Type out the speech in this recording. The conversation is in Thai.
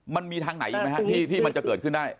มันมีทางไหนอีกไหมครับที่มันจะเกิดขึ้นได้